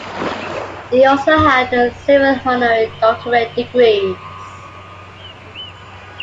He also had several honorary doctorate degrees.